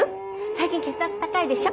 最近血圧高いでしょ。